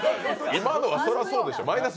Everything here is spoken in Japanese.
今のはそりゃそうでしょうマイナス